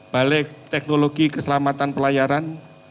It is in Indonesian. balik teknologi keselamatan pelayaran